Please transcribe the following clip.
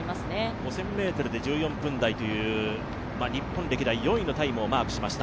５０００ｍで１４分台という日本歴代４位のタイムをマークしました。